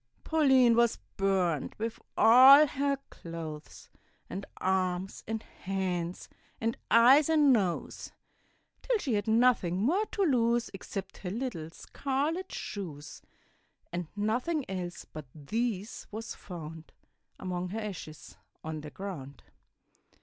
Pauline was burnt with all her clothes, And arms and hands, and eyes and nose; Till she had nothing more to lose Except her little scarlet shoes; And nothing else but these was found Among her ashes on the ground.